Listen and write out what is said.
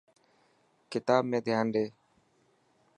ڪتاب ۾ ڌيان ڏي.